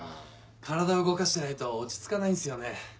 体動かしてないと落ち着かないんすよね。